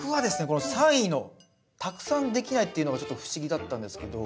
この３位の「たくさんできない」っていうのがちょっと不思議だったんですけど。